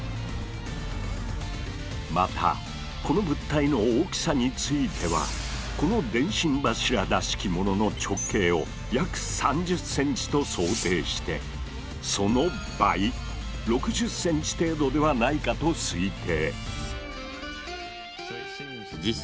またこの物体の大きさについてはこの電信柱らしきものの直径を約３０ｃｍと想定してその倍６０ｃｍ程度ではないかと推定。